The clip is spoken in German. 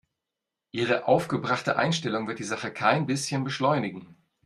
Ihre aufgebrachte Einstellung wird die Sache kein bisschen beschleunigen.